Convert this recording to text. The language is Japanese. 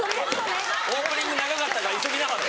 オープニング長かったから急ぎなはれ。